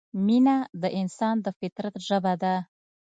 مینه د انسان د فطرت ژبه ده.